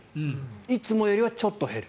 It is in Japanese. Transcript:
いつもよりはちょっと減る。